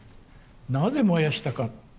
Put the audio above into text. なぜ燃やしたか。